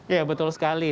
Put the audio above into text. ya betul sekali